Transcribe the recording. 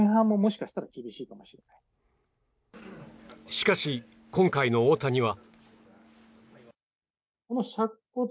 しかし、今回の大谷は。